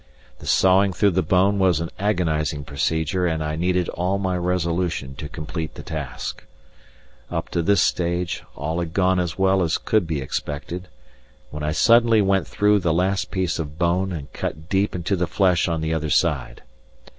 The sawing through the bone was an agonizing procedure, and I needed all my resolution to complete the task. Up to this stage all had gone as well as could be expected, when I suddenly went through the last piece of bone and cut deep into the flesh on the other side.